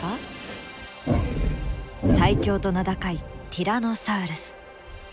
最強と名高いティラノサウルス。